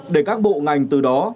để các bộ ngành từ đó